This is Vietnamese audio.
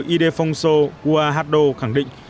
idefonso guajardo khẳng định